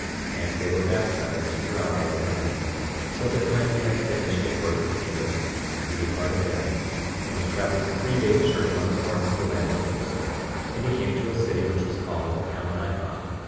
And they were baptized throughout all the land; 8:6 So that when he had finished his work at Melek he departed thence, and traveled three days' journey on the north of the land of Melek; and he came to a city which was called Ammonihah.